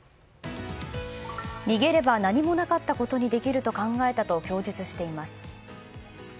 逃げれば何もなかったことにできると考えたと供述しています。